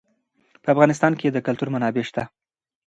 په افغانستان کې د کلتور منابع شته.